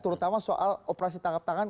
terutama soal operasi tangkap tangan